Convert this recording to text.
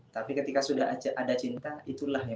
tapi ketika sudah ada cinta itulah ya